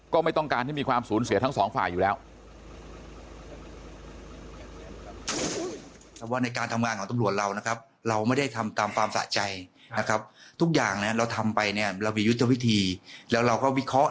ไม่ต้องการให้มีความสูญเสียทั้งสองฝ่ายอยู่แล้ว